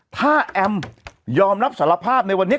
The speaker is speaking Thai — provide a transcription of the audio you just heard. ถ้าแอมยอมรับสารภาพในวันนี้